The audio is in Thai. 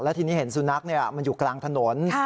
ทีนี้เห็นสุนัขมันอยู่กลางถนน